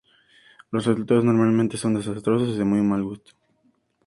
Los resultados normalmente son desastrosos y de muy mal gusto.